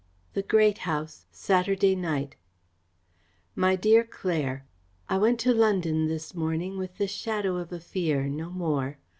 The Great House, Saturday night. MY DEAR CLAIRE, I went to London this morning with the shadow of a fear no more.